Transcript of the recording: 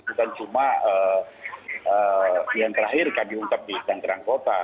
bukan cuma yang terakhir kami ungkap di tanggerang kota